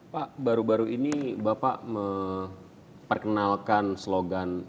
pak baru baru ini bapak memperkenalkan slogan